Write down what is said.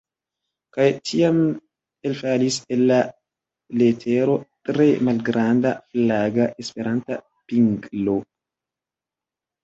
Kaj tiam elfalis el la letero tre malgranda flaga Esperanta pinglo.